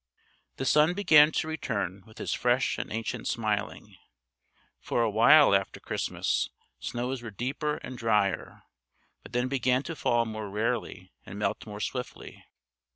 The sun began to return with his fresh and ancient smiling. For a while after Christmas snows were deeper and dryer, but then began to fall more rarely and melt more swiftly.